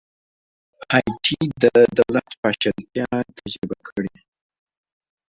هایټي د دولت پاشلتیا تجربه کړې.